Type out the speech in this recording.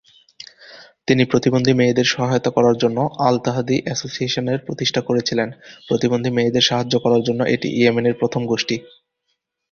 তিনি প্রতিবন্ধী মেয়েদের সহায়তা করার জন্য আল-তাহাদি অ্যাসোসিয়েশনের প্রতিষ্ঠা করেছিলেন, প্রতিবন্ধী মেয়েদের সাহায্য করার জন্য এটি ইয়েমেনের প্রথম গোষ্ঠী।